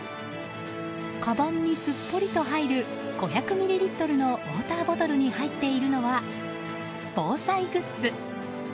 かばんにすっぽりと入る５００ミリリットルのウォーターボトルに入っているのは防災グッズ。